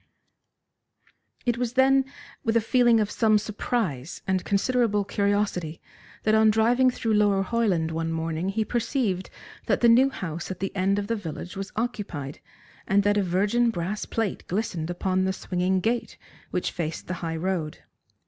It was, then, with a feeling of some surprise and considerable curiosity that on driving through Lower Hoyland one morning he perceived that the new house at the end of the village was occupied, and that a virgin brass plate glistened upon the swinging gate which faced the high road.